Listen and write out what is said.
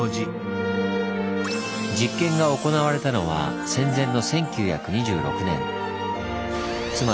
実験が行われたのは戦前の１９２６年。